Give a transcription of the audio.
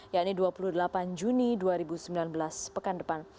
yakni dua puluh delapan juni dua ribu sembilan belas pekan depan